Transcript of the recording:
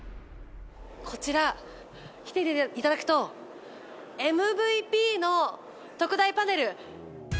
こちら、来ていただくと、ＭＶＰの特大パネル。